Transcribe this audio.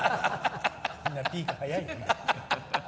みんなピーク早い。